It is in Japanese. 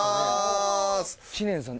知念さん